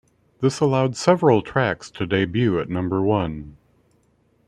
This allowed several tracks to debut at number one.